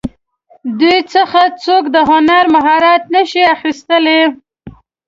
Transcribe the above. دوی څخه څوک د هنر مهارت نشي اخیستلی.